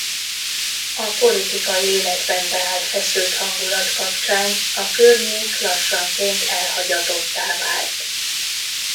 A politikai életben beállt feszült hangulat kapcsán a környék lassanként elhagyatottá vált.